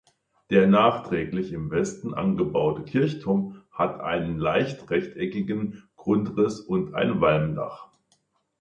Der nachträglich im Westen angebaute Kirchturm hat einen leicht rechteckigen Grundriss und ein Walmdach.